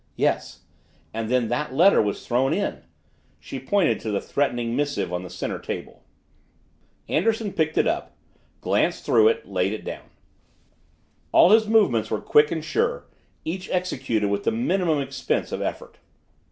"Yes. And then that letter was thrown in." She pointed to the threatening missive on the center table. Anderson picked it up, glanced through it, laid it down. All his movements were quick and sure each executed with the minimum expense of effort.